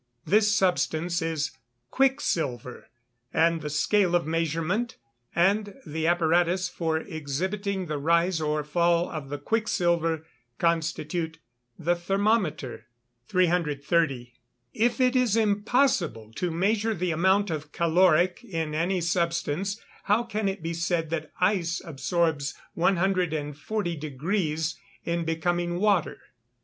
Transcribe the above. This substance is quicksilver; and the scale of measurement, and the apparatus for exhibiting the rise or fall of the quicksilver, constitute the thermometer. 330. If it is impossible to measure the amount of caloric in any substance, how can it be said that ice absorbs 140 _deg. in becoming water?